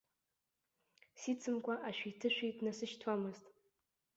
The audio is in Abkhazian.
Сицымкәа ашәиҭышәи днасышьҭуамызт.